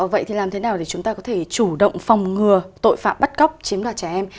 vậy thì làm thế nào để chúng ta có thể chủ động phòng ngừa tội phạm bắt cóc chiếm đoạt trẻ em